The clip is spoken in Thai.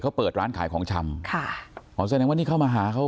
เขาเปิดร้านขายของชำค่ะอ๋อแสดงว่านี่เข้ามาหาเขา